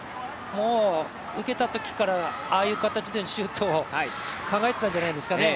もう受けたときからああいう形でのシュートを考えてたんじゃないですかね。